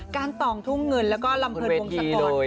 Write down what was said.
การต่องทุ่มเงินแล้วก็ลำเผิดวงสะกด